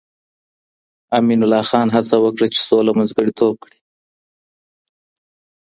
امین الله خان هڅه وکړه چې سوله منځګړیتوب کړي.